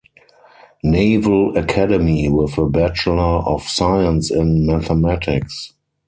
Naval Academy with a Bachelor of Science in Mathematics.